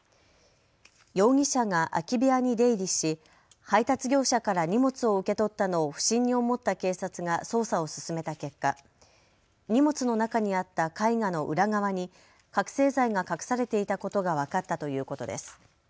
容疑者が空き部屋に出入りし配達業者から荷物を受け取ったのを不審に思った警察が捜査を進めた結果、荷物の中にあった絵画の裏側に覚醒剤が隠されていたことが分かったということです。